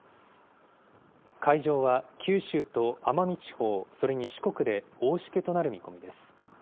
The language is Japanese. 海上は九州と奄美地方、それに四国で大しけとなる見込みです。